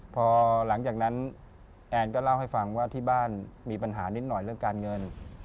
พอหลังจากนั้นแอนก็เล่าให้ฟังว่าที่บ้านมีปัญหานิดหน่อยเรื่องการเงิน